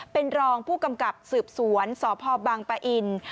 เป็นรองผู้กำกับสืบสวนสพบังปะอิน